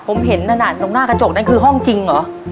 ผมเห็นนั่นน่ะตรงหน้ากระจกนั่นคือห้องจริงเหรอ